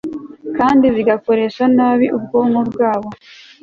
kandi zigakoresha nabi ubwonko bwabo